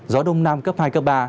gió đông nam cấp hai cấp ba